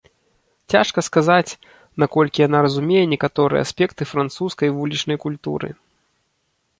Цяжка сказаць, наколькі яна разумее некаторыя аспекты французскай вулічнай культуры.